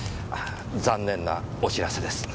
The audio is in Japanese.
残念なお知らせです。